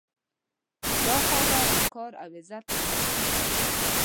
دا خاوره د کار او عزت سرچینه ده.